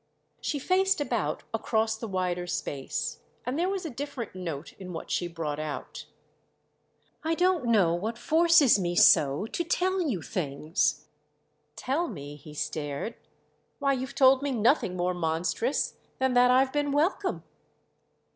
She faced about across the wider space, and there was a different note in what she brought out. "I don't know what forces me so to tell you things." "'Tell' me?" he stared. "Why, you've told me nothing more monstrous than that I've been welcome!"